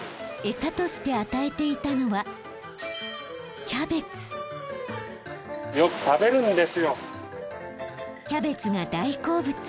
餌として与えていたのはキャベツが大好物。